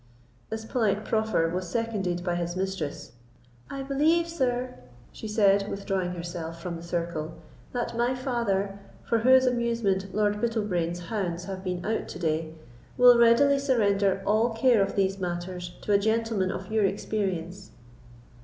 This polite proffer was seconded by his mistress. "I believe, sir," she said, withdrawing herself from the circle, "that my father, for whose amusement Lord Bittlebrain's hounds have been out to day, will readily surrender all care of these matters to a gentleman of your experience."